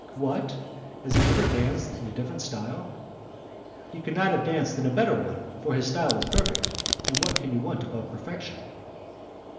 "What! Has he never danced in a different style?" "He could not have danced in a better one, for his style is perfect, and what can you want above perfection?"